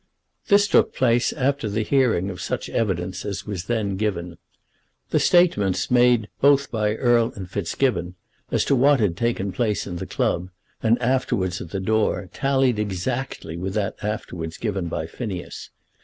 This took place after the hearing of such evidence as was then given. The statements made both by Erle and Fitzgibbon as to what had taken place in the club, and afterwards at the door, tallied exactly with that afterwards given by Phineas.